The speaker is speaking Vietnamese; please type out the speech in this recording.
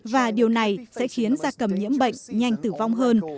và điều này sẽ khiến da cầm nhiễm bệnh nhanh tử vong hơn